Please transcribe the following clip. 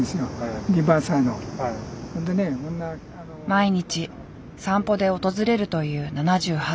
毎日散歩で訪れるという７８歳。